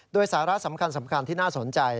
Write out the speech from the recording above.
โดยสาระสำคัญที่น่าสนใจ